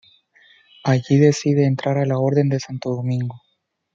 Allí decide entrar a la Orden de Santo Domingo.